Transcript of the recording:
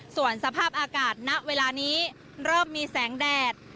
ส่วนสภาพอากาศณเวลานี้เริ่มมีแสงแดด